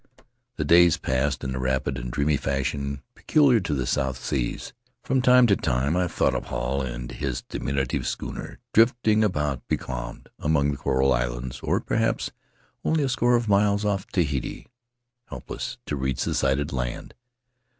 The days passed in the rapid and dreamy fashion peculiar to the South Seas. From time to time I thought of Hall and his diminutive schooner drifting about becalmed among the coral islands, or perhaps only a score of miles off Tahiti, helpless to reach the sighted land.